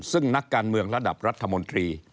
ซึ่งนักการเมืองระดับรัฐมนตรี